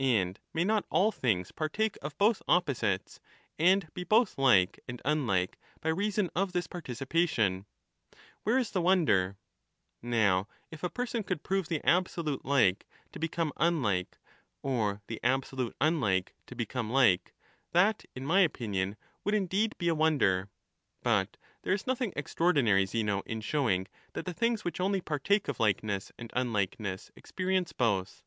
And may not all things partake of both opposites, and be both like and unlike, by reason of this participation ?— Where is the wonder ? Now if a person could prove the absolute like to become unlike, or the absolute unlike to become like, that, in my opinion, would indeed be a wonder ; but there is nothing extraordinary, Zeno, in showing that the things which only partake of likeness and unlikeness experience both.